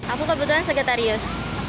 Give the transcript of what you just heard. aku kebetulan sagitarius